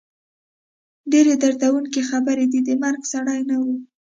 ډېر دردوونکی خبر دی، د مرګ سړی نه وو